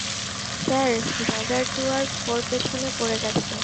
Sir, dagger two আর four পেছনে পড়ে গেছে।